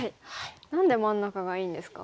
何で真ん中がいいんですか？